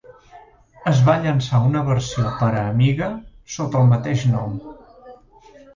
Es va llançar una versió per a Amiga, sota el mateix nom.